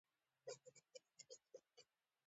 د پوځي چارو په ارتباط.